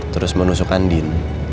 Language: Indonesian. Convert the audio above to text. terus menusukan din